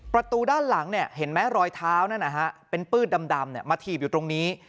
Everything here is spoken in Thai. ประตูด้านหลังเห็นไหมรอยเท้านั่นนะฮะเป็นปืดดำมาถีบอยู่ตรงนี้